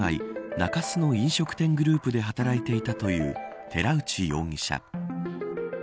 中洲の飲食店グループで働いていたという寺内容疑者。